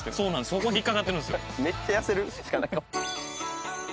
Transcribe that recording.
そこが引っかかってるんですよ。